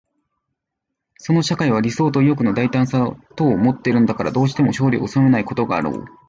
その社会は理想と意欲の大胆さとをもっているのだから、どうして勝利を収めないことがあろう。